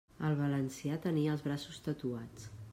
El valencià tenia els braços tatuats.